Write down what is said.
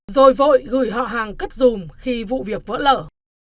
rồi vội gửi họ hàng cất dùm khi vụ việc vỡ lở